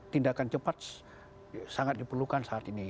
tindakan cepat sangat diperlukan saat ini